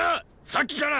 さっきから！